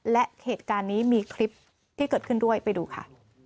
และเหตุการณ์นี้มีคลิปที่เกิดขึ้นด้วยไปดูค่ะ